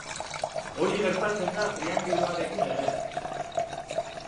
Hori gertatzen da triangeluarekin ere.